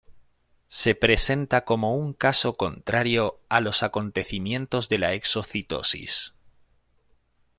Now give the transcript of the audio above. Se presenta como un caso contrario a los acontecimientos de la exocitosis.